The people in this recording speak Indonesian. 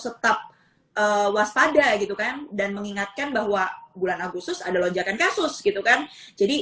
tetap waspada gitu kan dan mengingatkan bahwa bulan agustus ada lonjakan kasus gitu kan jadi